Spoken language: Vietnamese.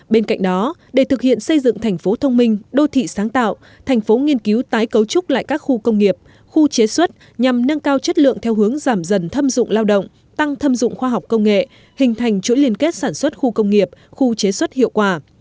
bên cạnh đó để thực hiện xây dựng thành phố thông minh đô thị sáng tạo thành phố nghiên cứu tái cấu trúc lại các khu công nghiệp khu chế xuất nhằm nâng cao chất lượng theo hướng giảm dần thâm dụng lao động tăng thâm dụng khoa học công nghệ hình thành chuỗi liên kết sản xuất khu công nghiệp khu chế xuất hiệu quả